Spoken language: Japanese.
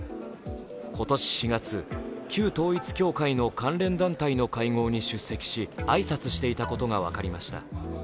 今年４月、旧統一教会の関連団体の会合に出席し、挨拶していたことが分かりました。